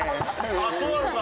ああそうなのか！